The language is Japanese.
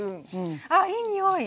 あいいにおい。